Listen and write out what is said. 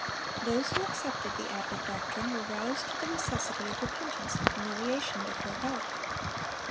Those who accepted the advent doctrine were roused to the necessity of repentance and humiliation before God.